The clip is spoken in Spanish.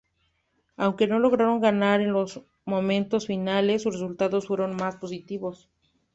Aunque no lograron ganar en los momentos finales, sus resultados fueron más positivos.